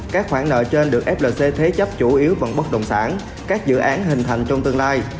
các khoản nợ trên được flc thế chấp chủ yếu bằng bất động sản các dự án hình thành trong tương lai